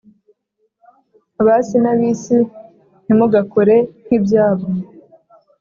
Abasi na bisi ntimugakore nkibyabo